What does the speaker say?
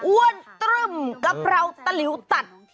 อ้วนตรึ่มกะเพราตะหลิวตัด